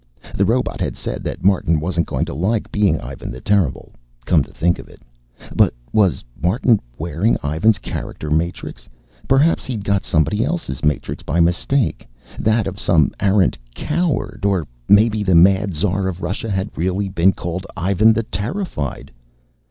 The robot had said that Martin wasn't going to like being Ivan the Terrible, come to think of it. But was Martin wearing Ivan's character matrix? Perhaps he'd got somebody else's matrix by mistake that of some arrant coward. Or maybe the Mad Tsar of Russia had really been called Ivan the Terrified.